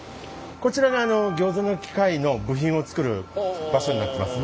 こちらがあのギョーザの機械の部品を作る場所になってます。